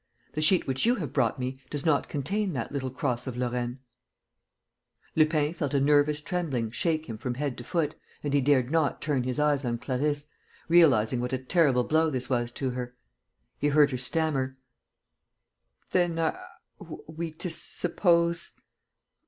The sheet which you have brought me does not contain that little cross of Lorraine."[F] Lupin felt a nervous trembling shake him from head to foot and he dared not turn his eyes on Clarisse, realizing what a terrible blow this was to her. He heard her stammer: "Then are we to suppose